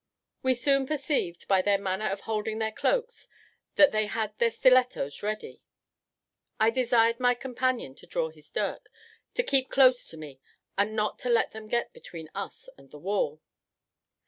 We soon perceived, by their manner of holding their cloaks, that they had their stilettos ready. I desired my companion to draw his dirk, to keep close to me, and not to let them get between us and the wall.